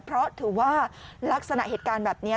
เพราะถือว่าลักษณะเหตุการณ์แบบนี้